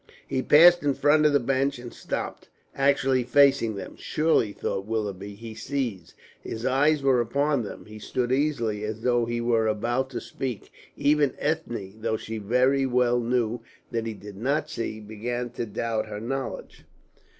He passed in front of the bench, and stopped actually facing them. Surely, thought Willoughby, he sees. His eyes were upon them; he stood easily, as though he were about to speak. Even Ethne, though she very well knew that he did not see, began to doubt her knowledge.